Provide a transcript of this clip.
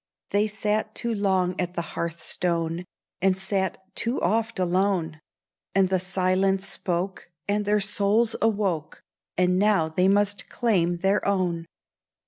They sat too long at the hearthstone, And sat too oft alone: And the silence spoke, and their souls awoke, And now they must claim their own.